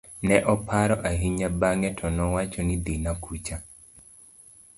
ne oparo ahinya bang'e to nowacho ni dhina kucha